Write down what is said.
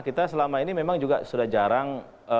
kita selama ini memang juga sudah jarang